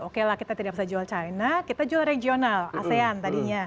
oke lah kita tidak bisa jual china kita jual regional asean tadinya